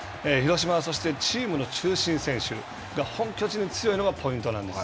広島はチームの中心選手が本拠地に強いのが、ポイントなんです。